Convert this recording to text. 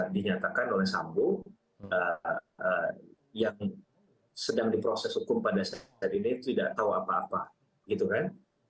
dinyatakan oleh sambo yang sedang diproses hukum pada saat ini tidak tahu apa apa gitu kan